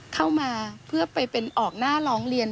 เข้ามาเพื่อไปเป็นออกหน้าร้องเรียน